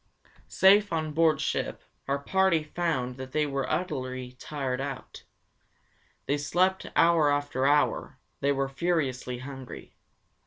'" Safe on board ship, our party found that they were utterly tired out. They slept hour after hour; they were furiously hungry.